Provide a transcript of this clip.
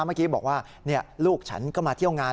เมื่อกี้บอกว่าลูกฉันก็มาเที่ยวงาน